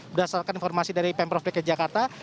berdasarkan informasi dari pemprov dki jakarta